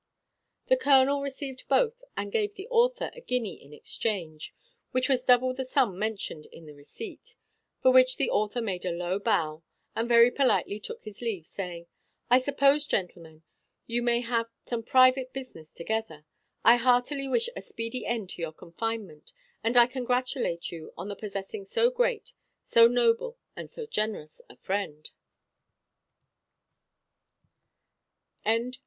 The colonel received both, and gave the author a guinea in exchange, which was double the sum mentioned in the receipt; for which the author made a low bow, and very politely took his leave, saying, "I suppose, gentlemen, you may have some private business together; I heartily wish a speedy end to your confinement, and I congratulate you on the possessing so great, so noble, and so generous a friend."